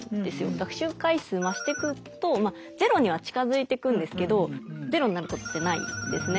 学習回数増してくとゼロには近づいていくんですけどゼロになることってないんですね。